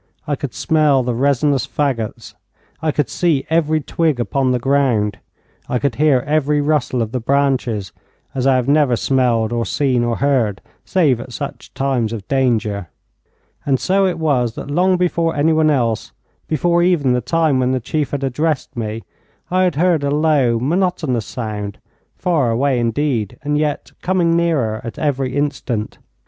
I could smell the resinous fagots, I could see every twig upon the ground, I could hear every rustle of the branches, as I have never smelled or seen or heard save at such times of danger. And so it was that long before anyone else, before even the time when the chief had addressed me, I had heard a low, monotonous sound, far away indeed, and yet coming nearer at every instant.